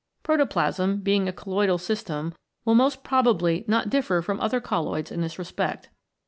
Protoplasm, being a colloidal system, will most probably not differ from other colloids in this respect.